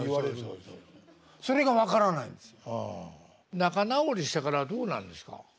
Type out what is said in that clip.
仲直りしてからはどうなんですか？